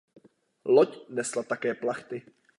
Loď nesla také plachty.